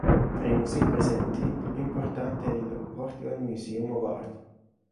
Tra i musei presenti, il più importante è il "Portland Museum of Art".